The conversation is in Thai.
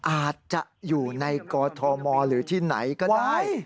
อาจจะอยู่ในกอทมหรือที่ไหนก็ได้